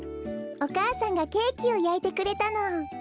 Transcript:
お母さんがケーキをやいてくれたの。